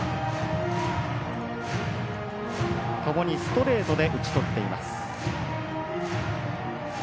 ともにストレートで打ち取っています。